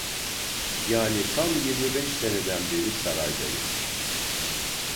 Yani tam yirmi beş seneden beri saraydayım.